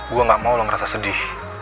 gue gak mau lo ngerasa sedih